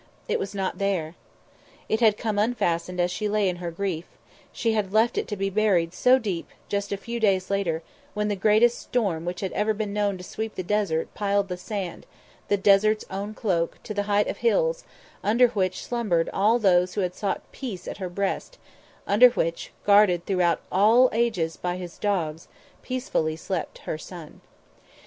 It was not there. It had come unfastened as she lay in her grief; she had left it to be buried so deep just a few days later, when the greatest storm which had ever been known to sweep the desert piled the sand, the desert's own cloak, to the height of hills, under which slumbered all those who had sought peace at her breast; under which, guarded throughout all ages by his dogs, peacefully slept her son.